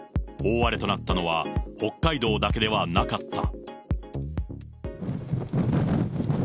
大荒れとなったのは北海道だけではなかった。